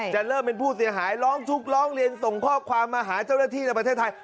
จะเริ่มเป็นผู้เสียหายร้องทุกข์ร้องเรียนส่งข้อความมาหาเจ้าหน้าที่ในประเทศไทย